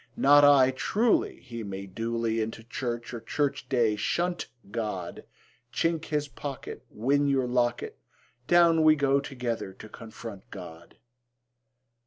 Not I; truly He may duly Into church or church day shunt God; Chink his pocket, Win your locket; Down we go together to confront God.